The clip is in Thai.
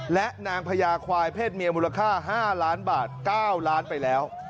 และนางพญาควายเพศเมียมูลค่า๕ล้านบาท๙ล้านไปแล้ว